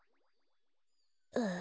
ああ